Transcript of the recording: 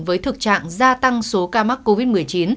với thực trạng gia tăng số ca mắc covid một mươi chín